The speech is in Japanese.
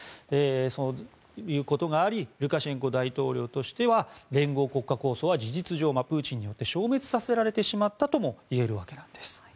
そういうことがありルカシェンコ大統領としては連合国家構想は事実上、プーチンによって消滅させられてしまったともいえるわけなんです。